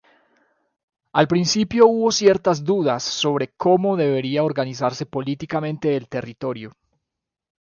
Al principio hubo ciertas dudas sobre cómo debería organizarse políticamente el territorio.